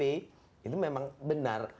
itu memang benar